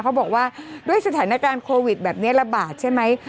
บอกว่าด้วยสถานการณ์โควิดแบบนี้ระบาดใช่ไหม